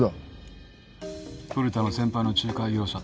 古田の先輩の仲介業者